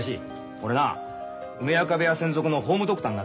俺な梅若部屋専属のホームドクターになるからな。